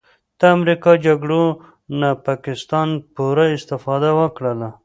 د امریکا جګړو نه پاکستان پوره استفاده وکړله